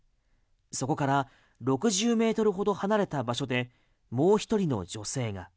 そこから６０ｍほど離れた場所でもう１人の女性が。